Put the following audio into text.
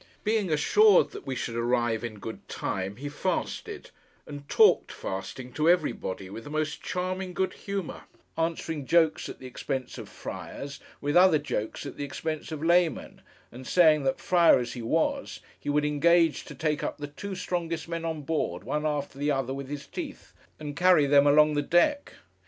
Being assured that we should arrive in good time, he fasted, and talked, fasting, to everybody, with the most charming good humour; answering jokes at the expense of friars, with other jokes at the expense of laymen, and saying that, friar as he was, he would engage to take up the two strongest men on board, one after the other, with his teeth, and carry them along the deck.